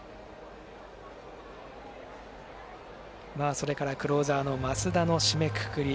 それから、クローザーの増田の締めくくり。